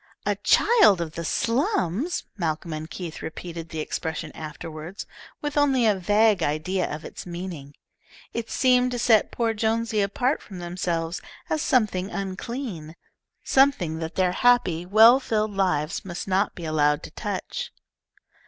"A child of the slums!" Malcolm and Keith repeated the expression afterward, with only a vague idea of its meaning. It seemed to set poor Jonesy apart from themselves as something unclean, something that their happy, well filled lives must not be allowed to touch.